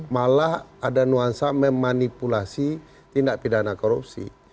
malah ada nuansa memanipulasi tindak pidana korupsi